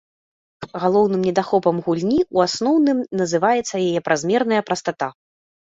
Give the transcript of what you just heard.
Галоўным недахопам гульні ў асноўным называецца яе празмерная прастата.